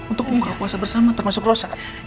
untuk buka puasa bersama termasuk rosa